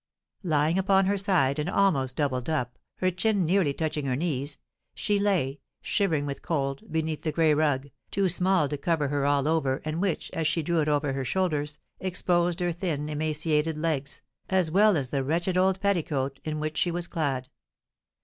Lying upon her side, and almost doubled up, her chin nearly touching her knees, she lay, shivering with cold, beneath the gray rug, too small to cover her all over, and which, as she drew it over her shoulders, exposed her thin, emaciated legs, as well as the wretched old petticoat in which she was clad.